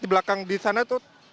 di belakang disana itu